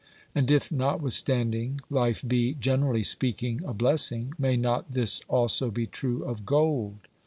And if, notwithstanding, life be, generally speak ing, a blessing, may not this also be true of gold